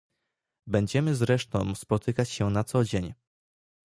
Będziemy zresztą spotykać się na co dzień